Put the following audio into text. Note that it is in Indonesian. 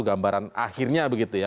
gambaran akhirnya begitu ya